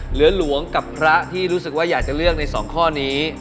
หลวงกับพระที่รู้สึกว่าอยากจะเลือกใน๒ข้อนี้